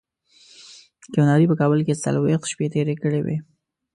کیوناري په کابل کې څلوېښت شپې تېرې کړې وې.